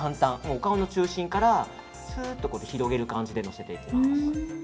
お顔の中心からすっと広げる感じで乗せていきます。